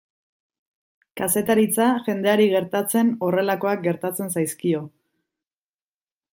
Kazetaritza jendeari gertatzen horrelakoak gertatzen zaizkio.